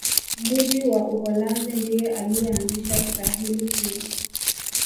gwiji wa Uholanzi ndiye aliyeanzisha stahili hii